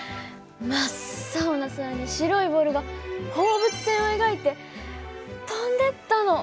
真っ青な空に白いボールが放物線を描いて飛んでったの。